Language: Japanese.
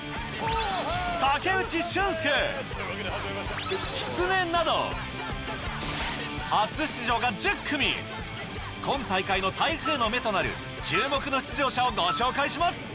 オハ！など初出場が１０組今大会の台風の目となる注目の出場者をご紹介します